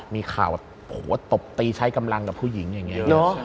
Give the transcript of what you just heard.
มีข่าวแบบโหตบตีใช้กำลังกับผู้หญิงอย่างนี้เยอะ